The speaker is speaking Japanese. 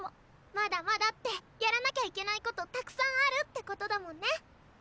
「まだまだ」ってやらなきゃいけないことたくさんあるってことだもんね！